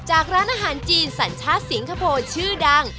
ร้านอาหารจีนสัญชาติสิงคโปร์ชื่อดัง